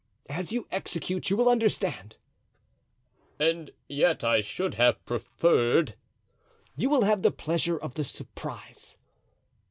"As you execute you will understand." "And yet I should have preferred——" "You will have the pleasure of the surprise."